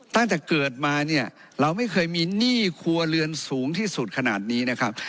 ตั้งแต่เกิดมาเนี่ยเราไม่เคยมีหนี้ครัวเรือนสูงที่สุดขนาดนี้นะครับ